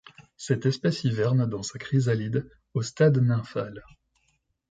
Cette espèce hiverne dans sa chrysalide, au stade nymphal.